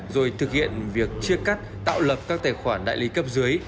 rồi thực hiện việc chia cắt tạo lập các tài khoản đại lý cấp dưới